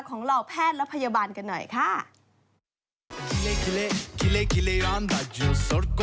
ผ่อนคล้ายให้กับบรรดาผู้ป่วย